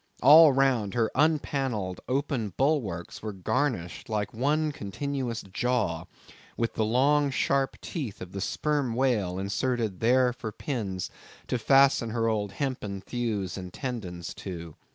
All round, her unpanelled, open bulwarks were garnished like one continuous jaw, with the long sharp teeth of the sperm whale, inserted there for pins, to fasten her old hempen thews and tendons to.